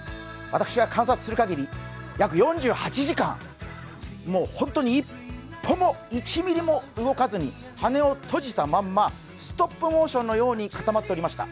私は観察限り、約４８時間、本当に１ｍｍも動かずに羽を閉じたままストップモーションのように固まっていました。